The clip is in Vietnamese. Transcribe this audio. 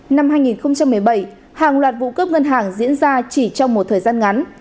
năm hai nghìn một mươi bảy hàng loạt vụ cướp ngân hàng diễn ra chỉ trong một thời gian ngắn